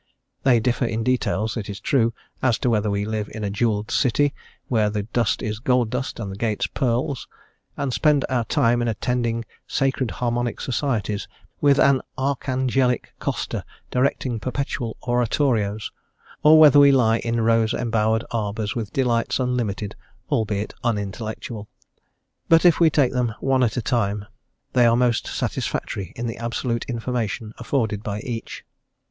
They differ in details, it is true, as to whether we live in a jewelled city, where the dust is gold dust and the gates pearls, and spend our time in attending Sacred Harmonic Societies with an archangelic Costa directing perpetual oratorios, or whether we lie in rose embowered arbours with delights unlimited, albeit unintellectual; but if we take them one at a time they are most satisfactory in the absolute information afforded by each.